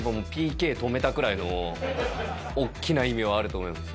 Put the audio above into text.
ＰＫ止めたくらいの、大きな意味はあると思います。